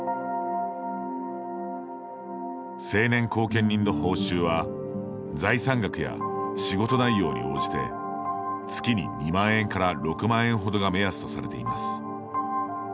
成年後見人の報酬は財産額や仕事内容に応じて月に２万円から６万円ほどが目安とされています。